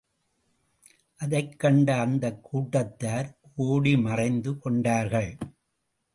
அதைக் கண்ட அந்தக் கூட்டத்தார் ஓடி மறைந்து கொண்டார்கள்.